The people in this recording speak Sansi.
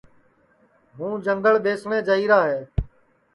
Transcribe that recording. ہوں جنٚگل ٻیسٹؔے جائیرا ہے